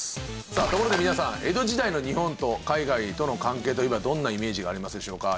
さあところで皆さん江戸時代の日本と海外との関係といえばどんなイメージがありますでしょうか？